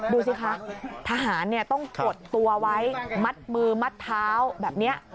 ดูสิคะทหารต้องกดตัวไว้มัดมือมัดเท้าแบบนี้